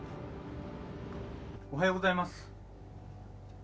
おはようございます。